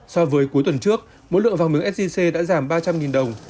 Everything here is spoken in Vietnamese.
so với cuối tuần trước mỗi lượng vàng miếng sgc đã giảm ba trăm linh đồng